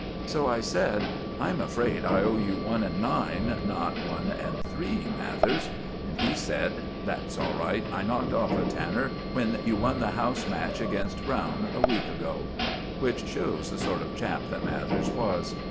So I said, "I'm afraid I owe you one and nine, not one and three, Mathers." And he said, "That's all right. I knocked off a tanner when you won the house match against Browne's a week ago." Which shows the sort of chap that Mathers was.